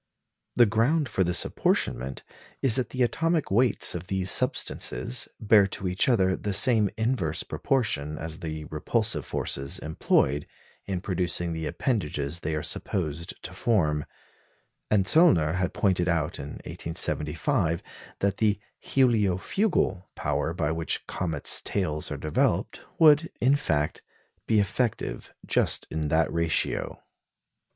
The ground of this apportionment is that the atomic weights of these substances bear to each other the same inverse proportion as the repulsive forces employed in producing the appendages they are supposed to form; and Zöllner had pointed out in 1875 that the "heliofugal" power by which comets' tails are developed would, in fact, be effective just in that ratio.